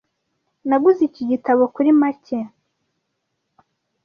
Naguze iki gitabo kuri make.